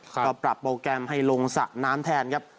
ก็ปรับโปรแกรมให้ลงสระน้ำแทนครับ